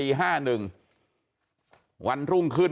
กลับไปลองกลับ